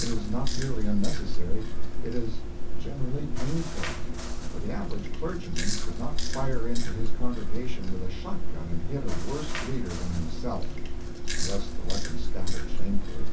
It is not merely unnecessary, it is generally painful; for the average clergyman could not fire into his congregation with a shotgun and hit a worse reader than himself, unless the weapon scattered shamefully.